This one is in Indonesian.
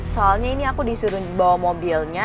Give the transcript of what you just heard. soalnya ini aku disuruh bawa mobilnya